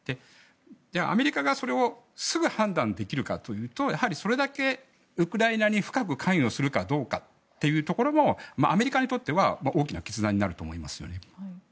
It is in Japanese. じゃあ、アメリカがそれをすぐ判断できるかというとやはりそれだけウクライナに深く関与するかどうかというところもアメリカにとっては大きな決断になると思いますね。